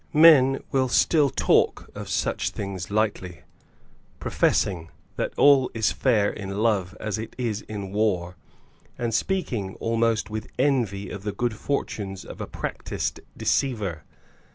Men will still talk of such things lightly, professing that all is fair in love as it is in war, and speaking almost with envy of the good fortunes of a practised deceiver.